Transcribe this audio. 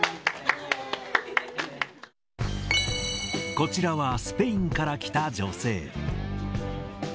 こちらはスペインから来た女性。